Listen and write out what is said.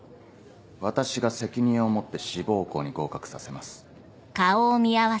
私が責任を持って志望校に合格させます。